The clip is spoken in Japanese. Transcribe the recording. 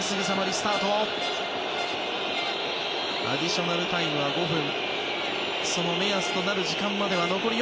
アディショナルタイムは５分。